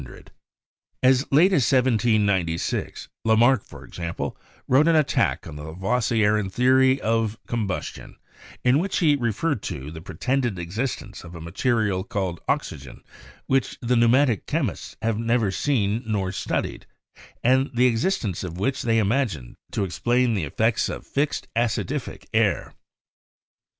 As late as 1796, Lamarck, for example, wrote an attack on the Lavoisierian theory of combustion, in which he re ferred to the "pretended existence of a material called oxygen which the pneumatic chemists have never seen nor studied, and the existence of which they imagine to ex plain the effects of 'fixed acidific air.'